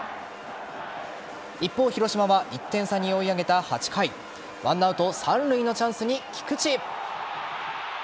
一方、広島は１点差に追い上げた８回１アウト三塁のチャンスに菊池。